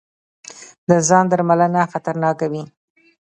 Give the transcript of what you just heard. د ځاندرملنه خطرناکه وي.